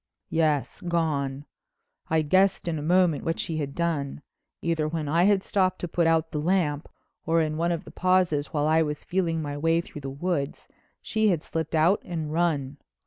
"Yes, gone. I guessed in a moment what she had done. Either when I had stopped to put out the lamp or in one of the pauses while I was feeling my way through the wood she had slipped out and run.